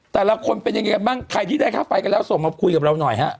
แต่ละคนเป็นยังไงบ้างใครที่ได้ค่าไฟกันแล้วส่งมาคุยกับเราหน่อยฮะ